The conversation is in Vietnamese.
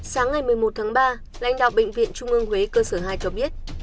sáng ngày một mươi một tháng ba lãnh đạo bệnh viện trung ương huế cơ sở hai cho biết